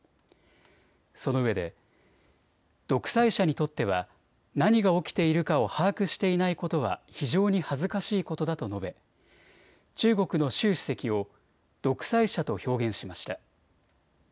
そのうえで独裁者にとっては何が起きているかを把握していないことは非常に恥ずかしいことだと述べ中国の習主席を独裁者と表現しました。